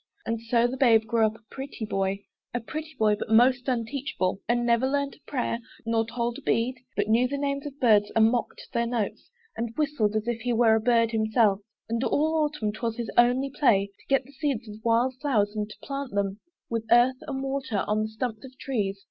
And so the babe grew up a pretty boy, A pretty boy, but most unteachable And never learnt a prayer, nor told a bead, But knew the names of birds, and mocked their notes, And whistled, as he were a bird himself: And all the autumn 'twas his only play To get the seeds of wild flowers, and to plant them With earth and water, on the stumps of trees.